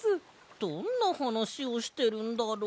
どんなはなしをしてるんだろう？